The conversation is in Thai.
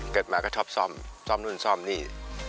เกิดมาก็ชอบซ่อมซ่อมนู่นซ่อมนี่